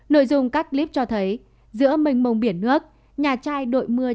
nội dung các clip cho thấy giữa mênh mông biển nước nhà trai đội mưa